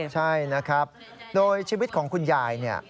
ใช่นะครับโดยชีวิตของคุณยายเนี่ย